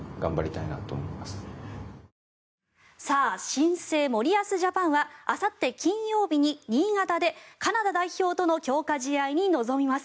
新生・森保ジャパンはあさって金曜日に新潟でカナダ代表との強化試合に臨みます。